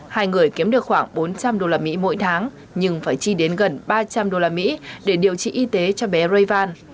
hai người kiếm được khoảng bốn trăm linh đô la mỹ mỗi tháng nhưng phải chi đến gần ba trăm linh đô la mỹ để điều trị y tế cho bé rayvan